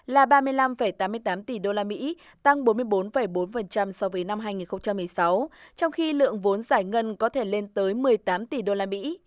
là ba mươi năm tám mươi tám tỷ usd tăng bốn mươi bốn bốn so với năm hai nghìn một mươi sáu trong khi lượng vốn giải ngân có thể lên tới một mươi tám tỷ usd